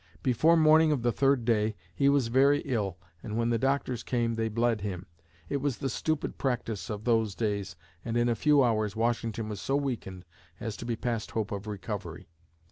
Before morning of the third day, he was very ill and when the doctors came, they bled him. It was the stupid practice of those days and in a few hours Washington was so weakened as to be past hope of recovery.